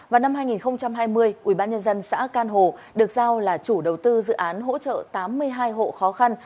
vào năm hai nghìn hai mươi ubnd xã can hồ được giao là chủ đầu tư dự án hỗ trợ tám mươi hai hộ khó khăn